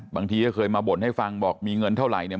บางทีก็เคยมาบ่นให้ฟังบอกมีเงินเท่าไหร่เนี่ย